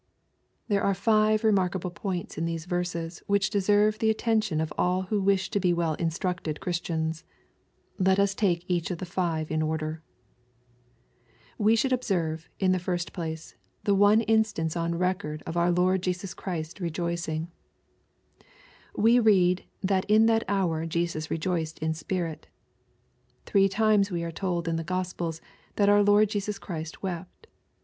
THERFi are five remarkable poiats ia these verses which deserve the attention of all who wish to be well instructed Christians. Let us take each of the five in order. We should observe, in the first place, the one instance on record of our Lord Jesus Christ rejoicing. We read, that in " that hour Jesus rejoiced in spirit." Three times we are told in the Gospels that our Lord Jesus Christ wept.